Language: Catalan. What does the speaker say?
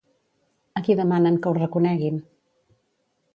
A qui demanen que ho reconeguin?